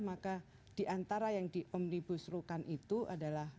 maka diantara yang di omnibus rukan itu adalah